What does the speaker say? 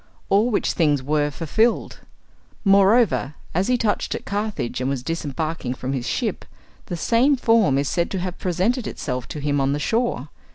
All which things were fulfilled. Moreover, as he touched at Carthage, and was disembarking from his ship, the same form is said to have presented itself to him on the shore.